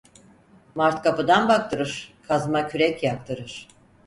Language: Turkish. Mart kapıdan baktırır, kazma kürek yaktırır.